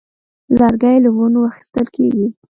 لرګی له ونو اخیستل کېږي.